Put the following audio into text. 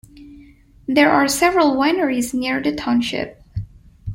There are several wineries near the township.